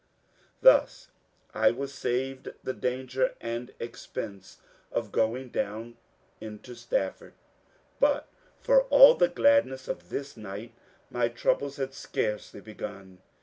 Thus I was saved the danger and expense of going down into Stafford. But for all the gladness of this night, my troubles had scarcely begun.